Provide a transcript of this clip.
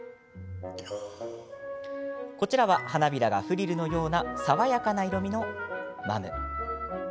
こちらは花びらがフリルのような爽やかな色みのマム。